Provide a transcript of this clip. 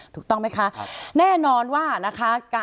ถูกต้องไหมคะแน่นอนว่านะคะ